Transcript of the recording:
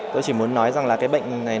tôi chỉ muốn nói rằng là cái bệnh này